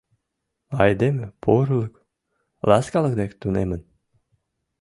— Айдеме порылык, ласкалык дек тунемын.